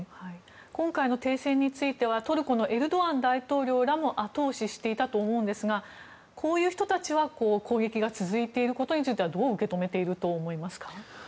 今回の停戦についてはトルコのエルドアン大統領らも後押ししていたと思うんですがこういう人たちは攻撃が続いていることについてはどう受け止めていると思いますか？